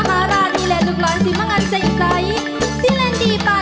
กลับมาที่สุดท้าย